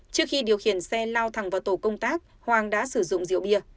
trước khi điều khiển xe lao thẳng vào tổ công tác hoàng đã sử dụng rượu bia